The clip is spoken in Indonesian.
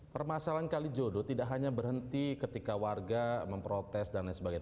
permasalahan kalijodo tidak hanya berhenti ketika warga memprotes dan lain sebagainya